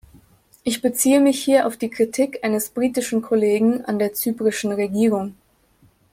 Ich beziehe mich hier auf die Kritik eines britischen Kollegen an der zyprischen Regierung.